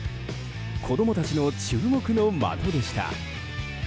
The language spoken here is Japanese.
子供たちの注目の的でした。